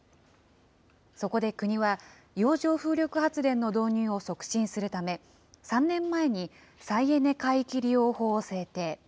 そこで国は洋上風力発電の導入を促進するため、３年前に再エネ海域利用法を制定。